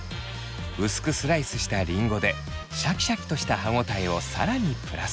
薄くスライスしたリンゴでシャキシャキとした歯応えを更にプラス。